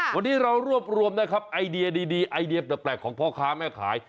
วันนี้เรารวบรวมนะครับไอเดียดีไอเดียแปลกของพ่อค้าแม่ขาย